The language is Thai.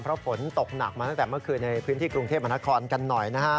เพราะฝนตกหนักมาตั้งแต่เมื่อคืนในพื้นที่กรุงเทพมนาคอนกันหน่อยนะฮะ